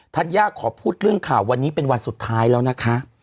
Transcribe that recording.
ย่าขอพูดเรื่องข่าววันนี้เป็นวันสุดท้ายแล้วนะคะ